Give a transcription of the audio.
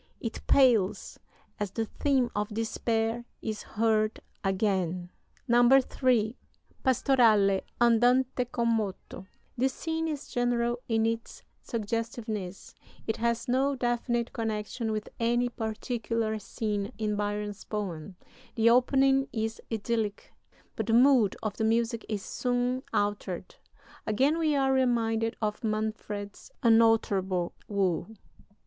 It pales as the theme of despair is heard again." III (Pastorale: Andante con moto) This scene is general in its suggestiveness; it has no definite connection with any particular scene in Byron's poem. The opening is idyllic, but the mood of the music is soon altered. Again we are reminded of Manfred's unalterable woe.